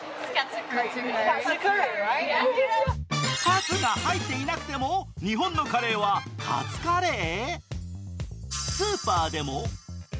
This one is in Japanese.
カツが入っていなくても日本のカレーはカツカレー？